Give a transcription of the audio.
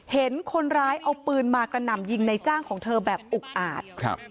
เห็นคนร้ายเอาปืนมากระหน่ำยิงในจ้างของเธอแบบอุกอาจ